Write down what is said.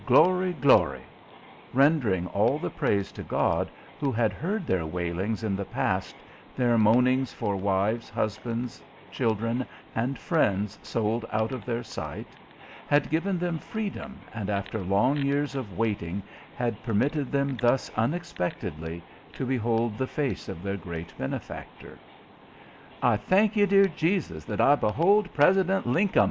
glory, glory!" rendering all the praise to God, who had heard their wailings in the past, their moanings for wives, husbands, children, and friends sold out of their sight; had given them freedom, and after long years of waiting had permitted them thus unexpectedly to behold the face of their great benefactor. "I thank you, dear Jesus, that I behold President Linkum!"